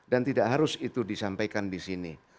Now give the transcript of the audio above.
dan tidak harus itu disampaikan di sini